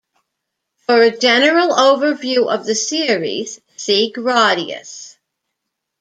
For a general overview of the series, see "Gradius".